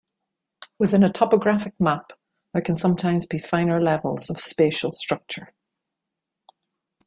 Within a topographic map there can sometimes be finer levels of spatial structure.